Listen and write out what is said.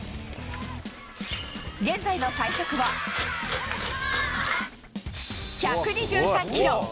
現在の最速は１２３キロ！